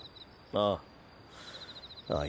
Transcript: ああ。